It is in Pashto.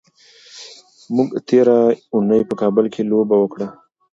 موږ تېره اونۍ په کابل کې لوبه وکړه.